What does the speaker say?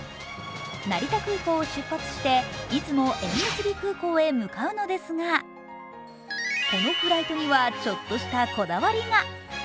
成田空港を出発して出雲縁結び空港へ向かうのですがこのフライトにはちょっとしたこだわりが。